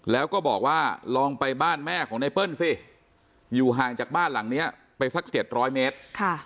แล้วก็บอกว่าลองไปบ้านแม่ของไนเปิ้ลสิอยู่ห่างจากบ้านหลังนี้ไปสัก๗๐๐เมตร